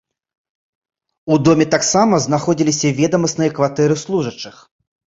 У доме таксама знаходзіліся ведамасныя кватэры служачых.